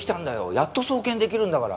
やっと送検できるんだから。